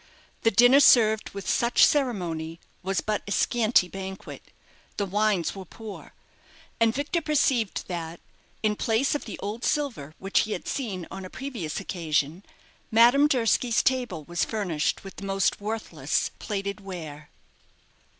The dinner served with such ceremony was but a scanty banquet the wines were poor and Victor perceived that, in place of the old silver which he had seen on a previous occasion, Madame Durski's table was furnished with the most worthless plated ware.